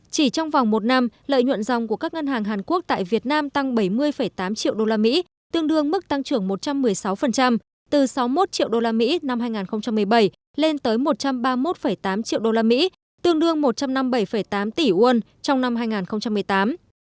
chỉ trong vòng một năm lợi nhuận dòng của các ngân hàng hàn quốc tại việt nam tăng bảy mươi tám triệu usd tương đương mức tăng trưởng một trăm một mươi sáu từ sáu mươi một triệu usd năm hai nghìn một mươi bảy lên tới một trăm ba mươi một tám triệu usd tương đương một trăm năm mươi bảy tám tỷ won trong năm hai nghìn một mươi tám